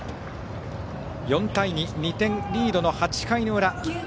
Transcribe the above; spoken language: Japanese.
４対２２点リードの８回の裏。